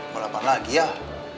balapan lagi yah